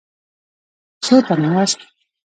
څو تنه یاست؟